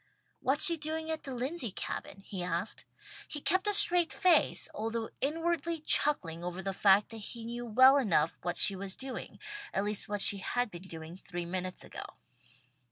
"What's she doing at the Lindsey Cabin?" he asked. He kept a straight face, although inwardly chuckling over the fact that he knew well enough what she was doing, at least what she had been doing three minutes ago.